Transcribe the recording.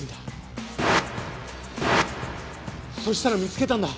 そしたら見つけたんだ。